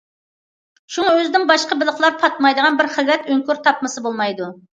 شۇڭا، ئۆزىدىن باشقا بېلىقلار پاتمايدىغان بىر خىلۋەت ئۆڭكۈر تاپمىسا بولمايدۇ.